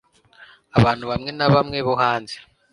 abantu bamwe na bamwe bo hanze